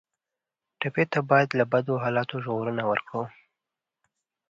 ټپي ته باید له بدو حالاتو ژغورنه ورکړو.